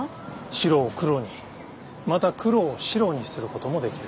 白を黒にまた黒を白にすることもできる。